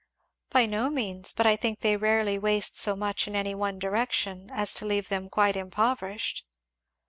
"By no means! but I think they rarely waste so much in any one direction as to leave them quite impoverished."